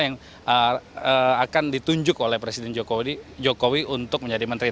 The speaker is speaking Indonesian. yang akan ditunjuk oleh presiden jokowi untuk menjadi menteri